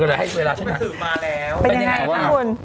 เป็นยังไงครับคุณ